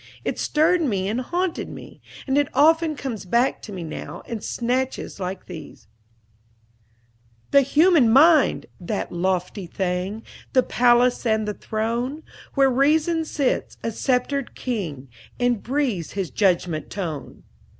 It stirred me and haunted me; and it often comes back to me now, in snatches like these: "The human mind! That lofty thing, The palace and the throne Where Reason sits, a sceptred king, And breathes his judgment tone!"